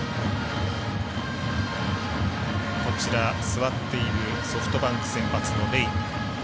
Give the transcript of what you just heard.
座っているソフトバンク先発のレイ。